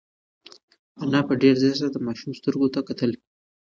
انا په ډېر ځير سره د ماشوم سترګو ته وکتل.